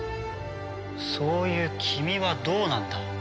そういう君はどうなんだ？